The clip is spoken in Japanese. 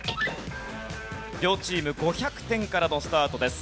両チーム５００点からのスタートです。